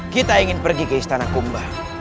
kita ingin pergi ke istana kumba